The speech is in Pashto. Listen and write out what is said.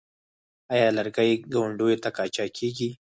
آیا لرګي ګاونډیو ته قاچاق کیږي؟